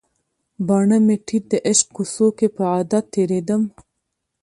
باڼه مې ټیټ د عشق کوڅو کې په عادت تیریدم